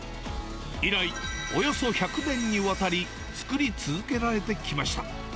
以来、およそ１００年にわたり、作り続けられてきました。